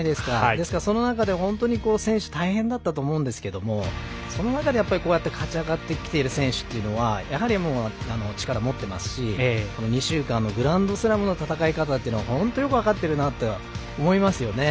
ですから、その中で本当に選手、大変だったと思うんですがその中でこうやって勝ち上がってきている選手というのはやはり、力を持っていますし２週間のグランドスラムの戦い方というのを本当に、よく分かっているなって思いますよね。